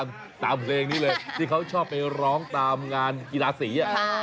ตามเพลงนี้เลยที่เขาชอบไปร้องตามงานกีฬาสี